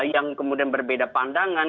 yang kemudian berbeda pandangan